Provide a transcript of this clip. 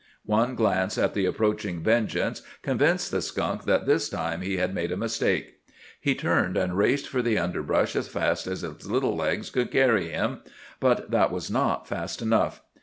One glance at the approaching vengeance convinced the skunk that this time he had made a mistake. He turned and raced for the underbrush as fast as his little legs would carry him. But that was not fast enough.